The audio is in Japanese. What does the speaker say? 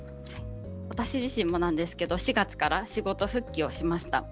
私自身もなんですが４月から仕事復帰をしました。